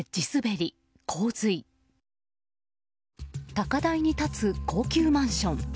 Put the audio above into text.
高台に立つ高級マンション。